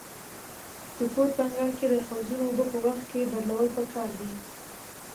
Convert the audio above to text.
د کور په انګړ کې د حوضونو اوبه په وخت بدلول پکار دي.